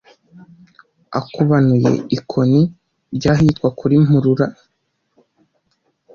akubanuye ikoni ryahitwa kuri Mpurura